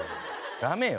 ダメよ。